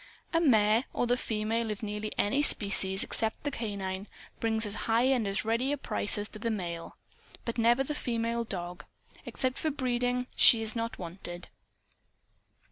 A mare or the female of nearly any species except the canine brings as high and as ready a price as does the male. But never the female dog. Except for breeding, she is not wanted.